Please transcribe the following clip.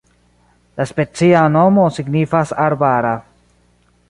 La specia nomo signifas arbara.